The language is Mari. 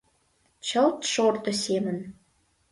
— Чылт шордо семын.